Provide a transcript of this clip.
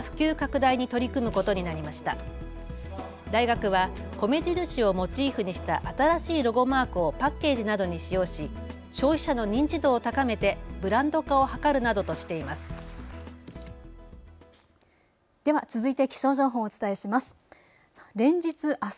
大学は米印をモチーフにした新しいロゴマークをパッケージなどに使用し消費者の認知度を高めてブランド化を図るなどとしています。